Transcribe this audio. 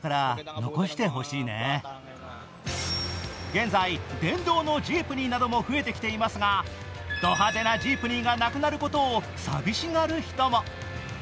現在電動のジープニーなども増えてきていますが、ド派手なジープニーがなくなることを寂しがる人も。